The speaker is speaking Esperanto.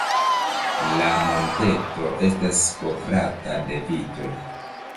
La monteto estas kovrata de vitoj.